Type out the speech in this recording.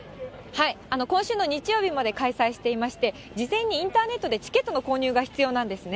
今週の日曜日まで開催していまして、事前にインターネットでチケットの購入が必要なんですね。